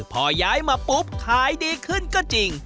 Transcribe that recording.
พอย้ายมาปุ๊บขายดีขึ้นก็จริง